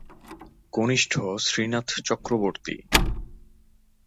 কনিষ্ঠ শ্রীনাথ চক্রবর্তী।